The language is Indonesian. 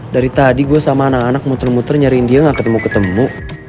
dari tadi gue sama anak anak muter muter nyariin dia gak ketemu ketemu